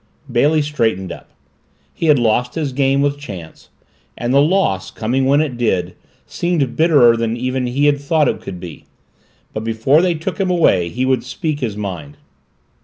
Bailey straightened up. He had lost his game with Chance and the loss, coming when it did, seemed bitterer than even he had thought it could be, but before they took him away he would speak his mind.